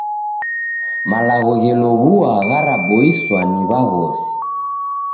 Malagho ghelow'ua gharaboiswa ni w'aghosi.